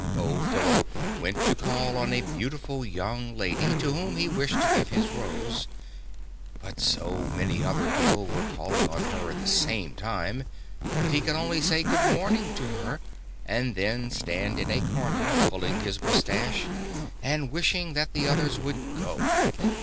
Beau Philip went to call on a beautiful young lady, to whom he wished to give his rose; but so many other people were calling on her at the same time that he could only say "good morning!" to her, and then stand in a corner, pulling his moustache and wishing that the others would go.